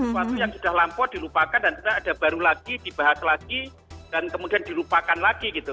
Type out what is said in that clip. sesuatu yang sudah lampau dilupakan dan ada baru lagi dibahas lagi dan kemudian dilupakan lagi gitu